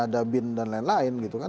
ada bin dan lain lain gitu kan